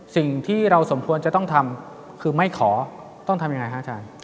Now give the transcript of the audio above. สิ่งที่เราสมควรจะต้องทำคือไม่ขอต้องทำยังไงฮะอาจารย์